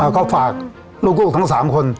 แล้วก็ฝากลูกกูทั้ง๓คน